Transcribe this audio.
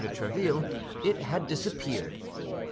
de Tréville, it had disappeared.